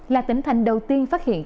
là tỉnh thành đầu tiên phát hiện